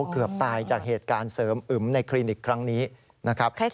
เกือบตายจากเหตุการณ์เสริมอึมในคลินิกครั้งนี้นะครับ